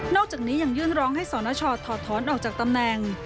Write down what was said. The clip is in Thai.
อกจากนี้ยังยื่นร้องให้สนชถอดท้อนออกจากตำแหน่ง